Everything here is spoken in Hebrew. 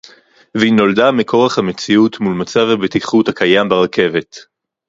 והיא נולדה מכורח המציאות מול מצב הבטיחות הקיים ברכבת